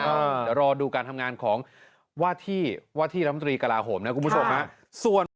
เดี๋ยวรอดูการทำงานของวาธิวาธิลัมตรีกลาโหมนะคุณผู้ชมนะ